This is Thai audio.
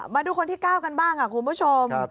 มาดูคนที่๙กันบ้างค่ะคุณผู้ชม